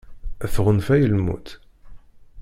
Tɣunfa-yi lmut.